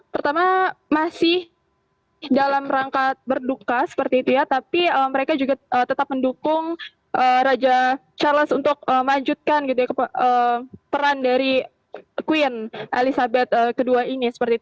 pertama masih dalam rangka berduka seperti itu ya tapi mereka juga tetap mendukung raja charles untuk melanjutkan peran dari queen elizabeth ii ini